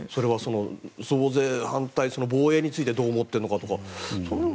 増税反対、防衛についてどう思っているのかとか。